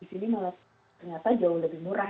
di sini malah ternyata jauh lebih murah